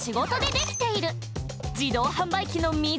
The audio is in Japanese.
自動販売機の水！